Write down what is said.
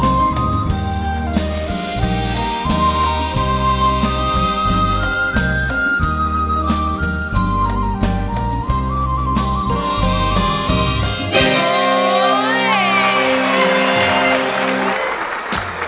เฮ้ย